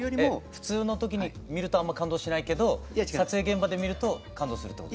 普通の時に見るとあんま感動しないけど撮影現場で見ると感動するってことですか？